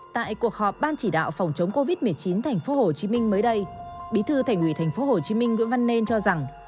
tại cuộc họp ban chỉ đạo phòng chống covid một mươi chín tp hcm mới đây bí thư thành ủy tp hcm nguyễn văn nên cho rằng